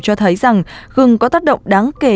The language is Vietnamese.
cho thấy rằng gừng có tác động đáng kể